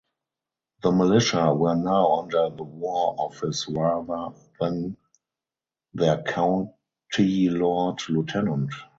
The Militia were now under the War Office rather than their county Lord Lieutenant.